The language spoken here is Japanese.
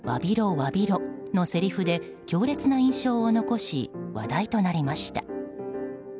わびろ！のせりふで強烈な印象を残し話題となりました。